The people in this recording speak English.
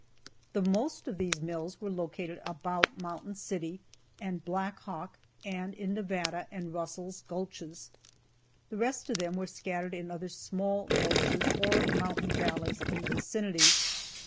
] The most of these mills were located about Mountain City and Blackhawk and in Nevada and Russell's gulches. The rest of them were scattered in other small gulches or mountain valleys in the vicinity.